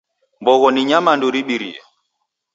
Mbogho ni nyamandu ribirie.